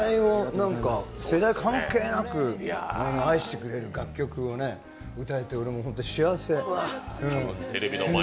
世代関係なく愛してくれる楽曲を歌えて俺も本当に幸せ。